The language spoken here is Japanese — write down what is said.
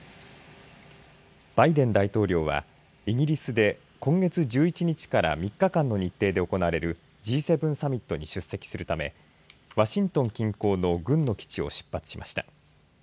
バイデン大統領はイギリスで今月１１日から３日間の日程で行われるＧ７サミットに出席するためワシントン近郊の軍の基地を出発しました。